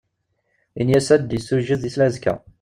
Ini-yas ad d-un-yessujed i seldazekk.